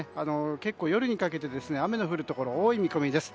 結構夜にかけて雨の降るところ多い見込みです。